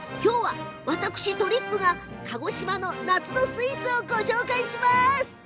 私とりっぷが、鹿児島の夏のスイーツをご紹介します。